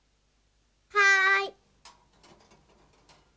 はい！